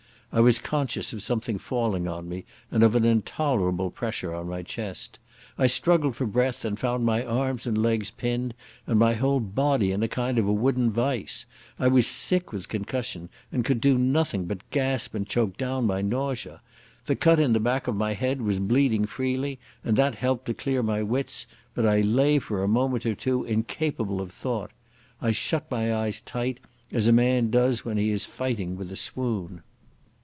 I was conscious of something falling on me and of an intolerable pressure on my chest. I struggled for breath, and found my arms and legs pinned and my whole body in a kind of wooden vice. I was sick with concussion, and could do nothing but gasp and choke down my nausea. The cut in the back of my head was bleeding freely and that helped to clear my wits, but I lay for a minute or two incapable of thought. I shut my eyes tight, as a man does when he is fighting with a swoon.